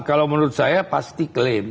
kalau menurut saya pasti klaim